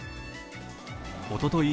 おととい